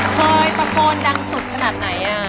เคยตะโกนดังสุดขนาดไหน